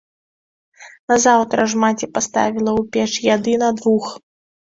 Назаўтра ж маці паставіла ў печ яды на двух.